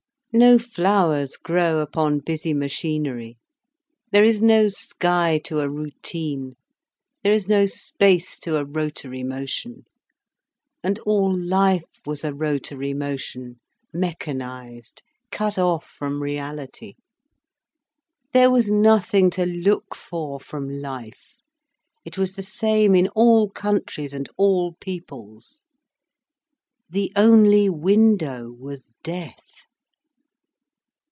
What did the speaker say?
No flowers grow upon busy machinery, there is no sky to a routine, there is no space to a rotary motion. And all life was a rotary motion, mechanised, cut off from reality. There was nothing to look for from life—it was the same in all countries and all peoples. The only window was death.